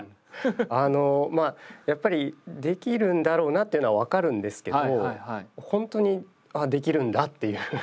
あのまあやっぱりできるんだろうなっていうのは分かるんですけどほんとにあっできるんだっていう。